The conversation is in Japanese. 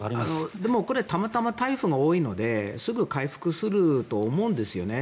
でも、これはたまたま台風が多いのですぐ回復すると思うんですね。